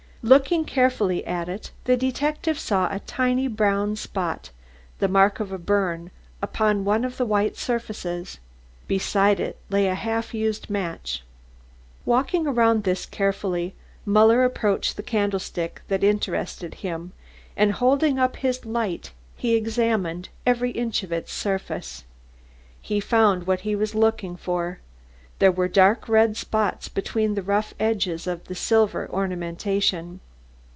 Looking carefully at it the detective saw a tiny brown spot, the mark of a burn, upon one of the white surfaces. Beside it lay a half used match. Walking around this carefully, Muller approached the candlestick that interested him and holding up his light he examined every inch of its surface. He found what he was looking for. There were dark red spots between the rough edges of the silver ornamentation.